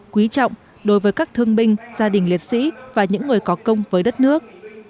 quý trọng đối với các thương binh gia đình liệt sĩ và những người có công với đất nước